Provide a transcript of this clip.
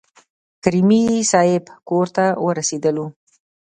کریمي صیب کورته ورسېدلو.